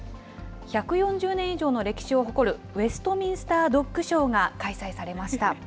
１４０年以上の歴史を誇るウェストミンスター・ドッグショーが開催されました。